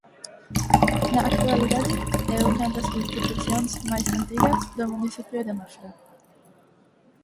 Na actualidade é unha das institucións máis antigas do municipio de Mafra.